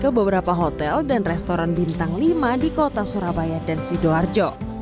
ke beberapa hotel dan restoran bintang lima di kota surabaya dan sidoarjo